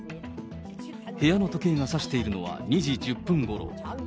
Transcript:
部屋の時計が指しているのは２時１０分ごろ。